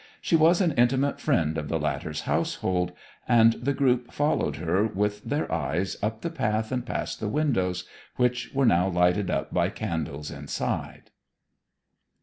She was an intimate friend of the latter's household, and the group followed her with their eyes up the path and past the windows, which were now lighted up by candles inside.